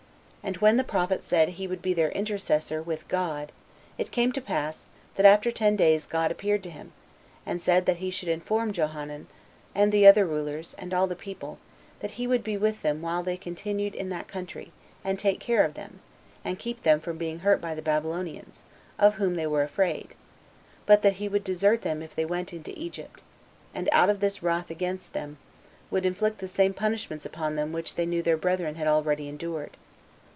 And when the prophet said he would be their intercessor with God, it came to pass, that after ten days God appeared to him, and said that he should inform Johanan, and the other rulers, and all the people, that he would be with them while they continued in that country, and take care of them, and keep them from being hurt by the Babylonians, of whom they were afraid; but that he would desert them if they went into Egypt, and, out of this wrath against them, would inflict the same punishments upon them which they knew their brethren had already endured.